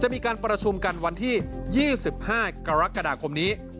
มีการประชุมกันวันที่๒๕กรกฎาคมนี้